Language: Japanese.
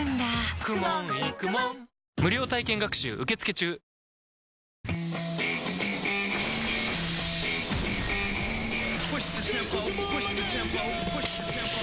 無料体験学習受付中！プシューッ！